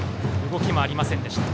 動きもありませんでした。